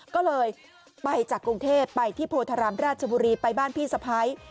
ก็เลยไปจากกรุงเทพไปที่โพธารามราชบุรีไปบ้านพี่สะพ้าย